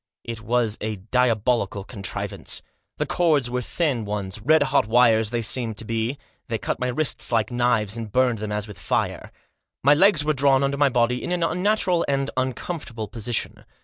It was a diabolical contrivance. The cords were thin ones — red hot wires they seemed to me to be, they cut my wrists like knives, and burned them as with fire. My legs were drawn under my body in an unnatural and uncomfortable position.